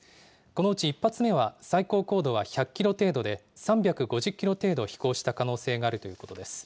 このうち１発目は最高高度は１００キロ程度で、３５０キロ程度飛行した可能性があるということです。